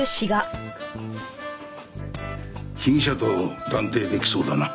被疑者と断定できそうだな。